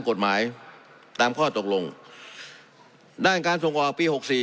กฎหมายตามข้อตกลงด้านการส่งออกปีหกสี่